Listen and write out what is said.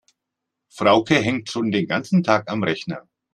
Frauke hängt schon den ganzen Tag am Rechner.